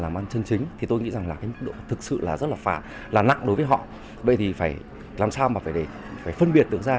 bởi vậy thì phải làm sao mà để phân biệt tưởng ra